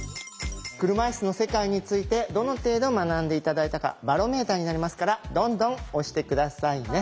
車いすの世界についてどの程度学んで頂いたかバロメーターになりますからどんどん押して下さいね。